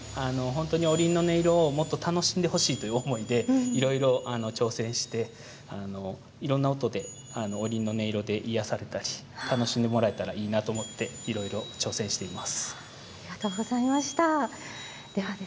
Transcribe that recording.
おりんの音色ごと楽しんでほしいという思いでいろいろ挑戦していろんな音でおりんの音色で癒やされたり楽しんでもらえたらいいなと思って、今、挑戦しています。